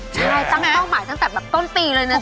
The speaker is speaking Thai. ใช่เราตั้งต้องหมายตั้งแต่ต้นปีเลยนะเธอ